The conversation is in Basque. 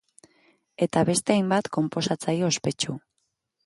Eta beste hainbat konposatzaile ospetsu.